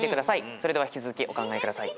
それでは引き続きお考えください。